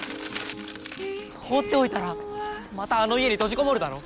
放っておいたらまたあの家に閉じこもるだろ。